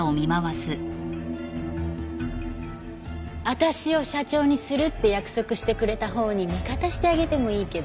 私を社長にするって約束してくれたほうに味方してあげてもいいけど。